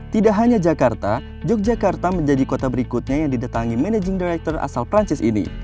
tidak hanya jakarta yogyakarta menjadi kota berikutnya yang didatangi managing director asal perancis ini